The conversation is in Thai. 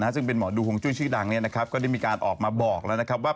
ซึ่งเป็นหมอดูฮวงจุ้ยชื่อดังก็ได้มีการออกมาบอกแล้วนะครับว่า